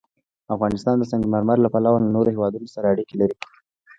افغانستان د سنگ مرمر له پلوه له نورو هېوادونو سره اړیکې لري.